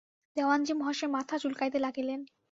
দেওয়ানজি মহাশয় মাথা চুলকাইতে লাগিলেন।